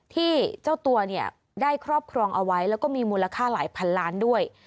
เจ้าตัวเนี่ยได้ครอบครองเอาไว้แล้วก็มีมูลค่าหลายพันล้านด้วย